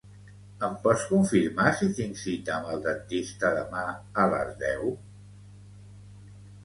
Em pots confirmar si tinc cita amb el dentista demà a les deu.